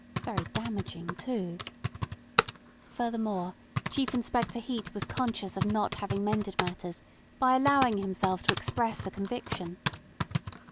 Very damaging, too! Furthermore, Chief Inspector Heat was conscious of not having mended matters by allowing himself to express a conviction.